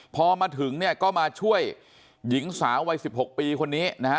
พอมาถึงเนี่ยก็มาช่วยหญิงสาววัย๑๖ปีคนนี้นะฮะ